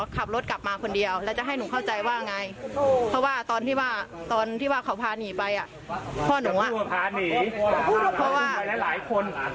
กับตลวจที่ลงทักอยู่เขาก็เลยพากลึกเขาเลยพากลึก